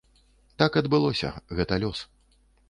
Так адбылося, гэта лёс.